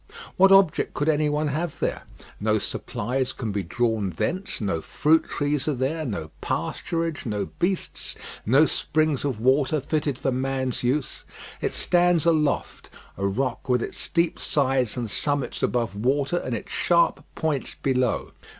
What object could any one have there? No supplies can be drawn thence; no fruit trees are there, no pasturage, no beasts, no springs of water fitted for man's use. It stands aloft, a rock with its steep sides and summits above water, and its sharp points below.